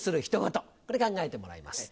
これ考えてもらいます。